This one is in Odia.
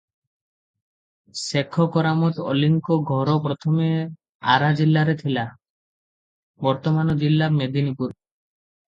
ସେଖ କେରାମତ୍ ଅଲିଙ୍କ ଘର ପ୍ରଥମେ ଆରା ଜିଲ୍ଲାରେ ଥିବା, ବର୍ତ୍ତମାନ ଜିଲ୍ଲା ମେଦୀନିପୁର ।